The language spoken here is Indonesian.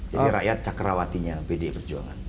jadi rakyat cakrawatinya pd perjuangan